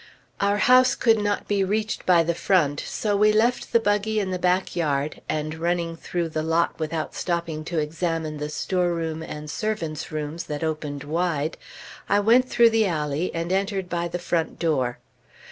Our house could not be reached by the front, so we left the buggy in the back yard, and running through the lot without stopping to examine the storeroom and servants' rooms that opened wide, I went through the alley and entered by the front door.